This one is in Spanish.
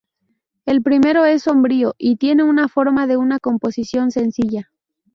El primero es sombrío, y tiene una forma de una composición sencilla.